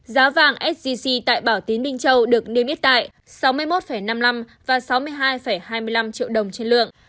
giá vàng sgc tại bảo tín minh châu được niêm yết tại sáu mươi một năm mươi năm và sáu mươi hai hai mươi năm triệu đồng trên lượng